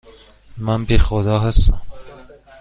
من بی خدا هستم.